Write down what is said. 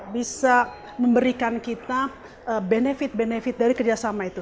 bisa memberikan kita benefit benefit dari kerjasama itu